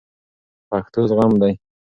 پښتو زغم دی